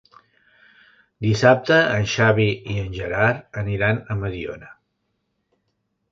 Dissabte en Xavi i en Gerard aniran a Mediona.